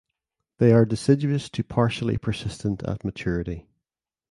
They are deciduous to partially persistent at maturity.